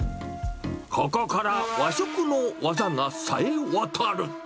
ここから和食の技がさえわたる。